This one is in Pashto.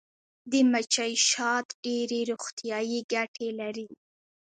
د مچۍ شات ډیرې روغتیایي ګټې لري